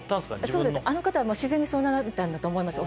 自分のあの方は自然にそうなられたんだと思います